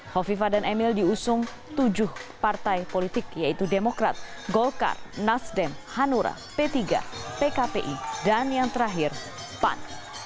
hovifa dan emil diusung tujuh partai politik yaitu demokrat golkar nasdem hanura p tiga pkpi dan yang terakhir pan